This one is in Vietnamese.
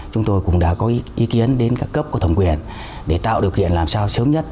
chúng tôi cũng đã có ý kiến đến các cấp của thẩm quyền để tạo điều kiện làm sao sớm nhất